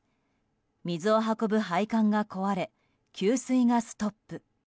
水を運ぶ配管が壊れ給水がストップ。